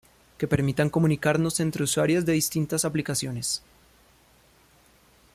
que permitan comunicarnos entre usuarias de distintas aplicaciones